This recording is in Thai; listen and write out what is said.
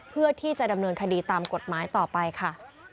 เพื่อที่จะดำเนินคดีตามกฎหมายต่อไปค่ะ